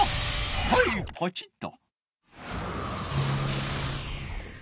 はいポチッと。